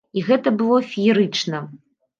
І гэта было феерычна!